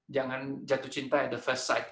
jangan jatuh cinta pada sisi pertama